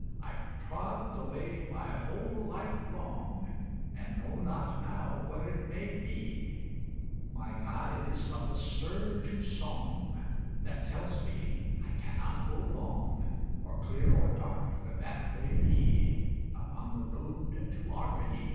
I've trod the way my whole life long, And know not now where it may be; My guide is but the stir to song, That tells me I cannot go wrong, Or clear or dark the pathway be Upon the road to Arcady.